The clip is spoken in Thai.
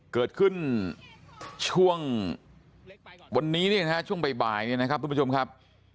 เกิดขึ้นช่วงวันนี้ช่วงบ่ายนะครับทุกผู้ชมครับ